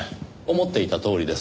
思っていたとおりです。